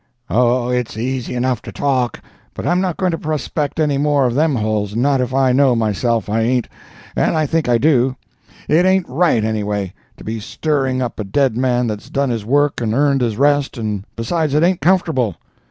"Oh, it's easy enough to talk, but I'm not going to prospect any more of them holes, not if I know myself, I aint, and I think I do; it aint right, anyway, to be stirring up a dead man that's done his work and earned his rest, and besides it aint comfortable."